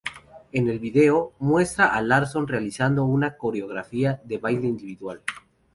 En el vídeo, muestra a Larsson realizando una coreografía de baile individual.